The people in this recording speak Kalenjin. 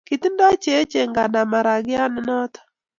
Kitindoi che echen nganda maragiat ne noto